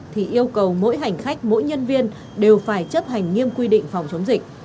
thì yêu cầu mỗi hành khách mỗi nhân viên đều phải chấp hành nghiêm quy định phòng chống dịch